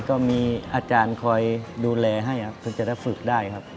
ก็มีอาจารย์คอยดูแลให้ครับถึงจะได้ฝึกได้ครับ